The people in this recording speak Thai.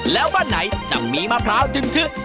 แล้วบ้านไหนจะมีมะพร้าวถึงทึก